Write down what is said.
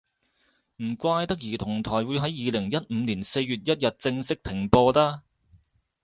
唔怪得兒童台會喺二零一五年四月一日正式停播啦